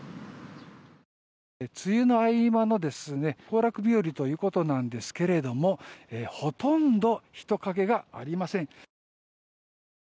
梅雨の合間の行楽日和ということなんですけどもほとんど人影がありません。